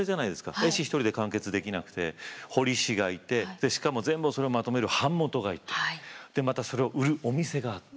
絵師１人で完結できなくて彫師がいてしかも全部それをまとめる版元がいてまたそれを売るお店があって。